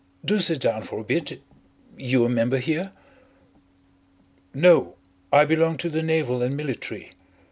Do sit down for a bit. You a member here?" "No. I belong to the Naval and Military.